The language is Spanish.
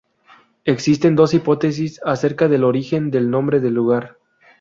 Existe dos hipótesis acerca del origen del nombre del lugar.